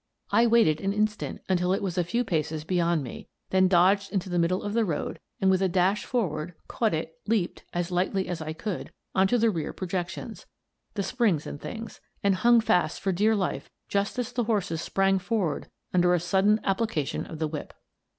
I waited an i 228 Miss Frances Baird, Detective instant until it was a few paces beyond me; then dodged into the middle of the road and, with a dash forward, caught it, leaped, as lightly as I could, on to the rear projections — the springs and things — and hung fast for dear life just as the horses sprang forward under a sudden application of the whip.